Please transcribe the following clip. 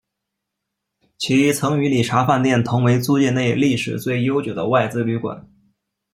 其曾与礼查饭店同为租界内历史最悠久的外资旅馆。